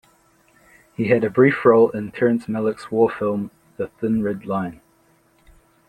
He had a brief role in Terrence Malick's war film, "The Thin Red Line".